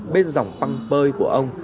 bên dòng păng pơi của ông